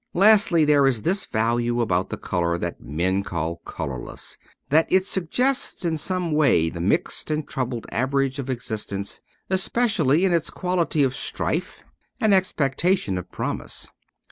Lastly, there is this value about the colour that men call colourless : that it suggests in some way the mixed and troubled average of existence, especially in its quality of strife and 217 expectation and promise.